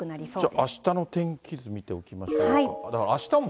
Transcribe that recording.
じゃああしたの天気図見ておきましょうか。